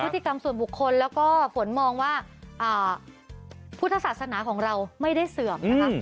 พฤติกรรมส่วนบุคคลแล้วก็ฝนมองว่าพุทธศาสนาของเราไม่ได้เสื่อมนะคะ